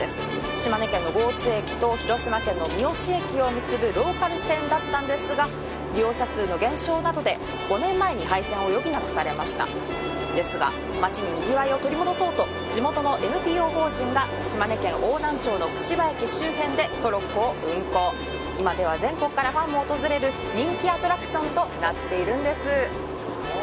島根県の江津駅と広島県の三次駅をつなぐローカル線だったんですが、利用者数の減少などで５年前に廃線を余儀なくされましたですが町ににぎわいを取り戻そうとＮＰＯ法人が島根県邑南町にトロッコを運行、今では全国からファンの訪れる人気アトラクションとなっているんです。